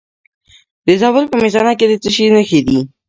د زابل په میزانه کې د څه شي نښې دي؟